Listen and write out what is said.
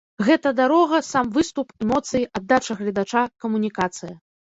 Гэта дарога, сам выступ, эмоцыі, аддача гледача, камунікацыя.